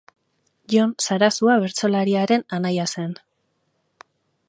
Jon Sarasua bertsolariaren anaia zen.